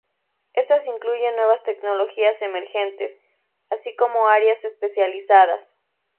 Estas incluyen nuevas tecnologías emergentes, así como áreas especializadas.